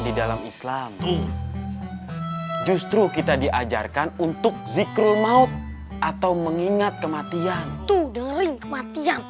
di dalam islam justru kita diajarkan untuk zikrul maut atau mengingat kematian